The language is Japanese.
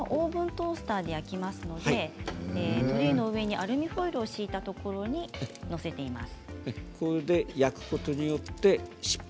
きょうはオーブントースターで焼きますのでトレーの上にアルミホイルを敷いたところに載せています。